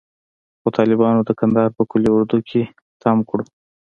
خو طالبانو د کندهار په قول اردو کښې تم کړو.